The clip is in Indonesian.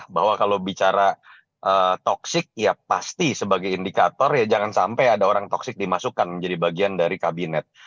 bahwa kalau bicara toxic ya pasti sebagai indikator ya jangan sampai ada orang toxic dimasukkan menjadi bagian dari kabinet